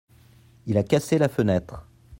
Il a cassé la fenêtre.